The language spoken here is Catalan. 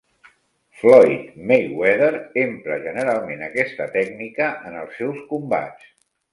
Floyd Mayweather empra generalment aquesta tècnica en els seus combats.